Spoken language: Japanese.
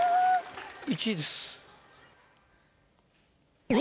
１位です。